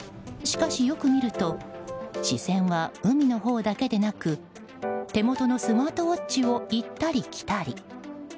しかしよく見ると視線は海のほうだけでなく手元のスマートウォッチを行ったり来たり。